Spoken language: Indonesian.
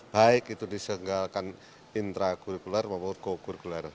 baik itu disenggalkan intra kurikuler maupun co kurikuler